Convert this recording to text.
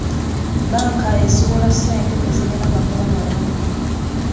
Banka eziwola ssente tezirina magoba malungi.